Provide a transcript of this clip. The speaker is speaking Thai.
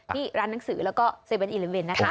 ที่ร้านหนังสือแล้วก็๗๑๑นะคะ